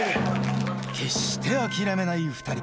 決して諦めない２人。